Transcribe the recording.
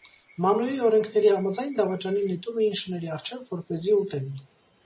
Մանուի օրենքների համաձայն՝ դավաճանին նետում էին շների առջև, որպեսզի ուտեն։